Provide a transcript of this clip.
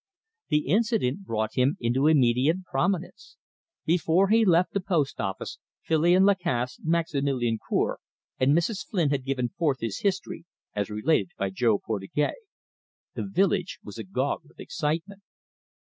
The incident brought him into immediate prominence. Before he left the post office, Filion Lacasse, Maximilian Cour, and Mrs. Flynn had given forth his history, as related by Jo Portugais. The village was agog with excitement.